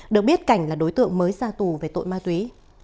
được biết cảnh là đối tượng mới ra tù về tội ma túy